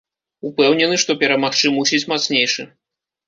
Упэўнены, што перамагчы мусіць мацнейшы.